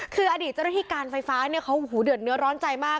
คืออดีตเจ้าหน้าที่การไฟฟ้าเนี่ยเขาเดือดเนื้อร้อนใจมาก